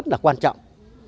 rất là quan trọng